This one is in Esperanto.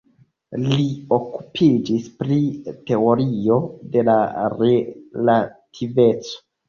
Li okupiĝis pri teorio de la relativeco.